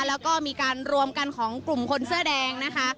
แล้วก็มีการรวมกันของกลุ่มคนเสื้อแดงนะคะ